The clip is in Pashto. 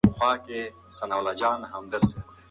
په دې وخت کي ټولنیزو نظریاتو ډېر پرمختګ ونه کړ.